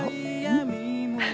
うん？